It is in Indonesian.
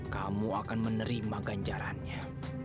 kamu akan menerima ganjarannya